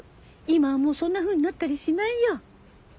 今はもうそんなふうになったりしないよ。